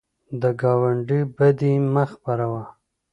د ګاونډي بدي مه خپروه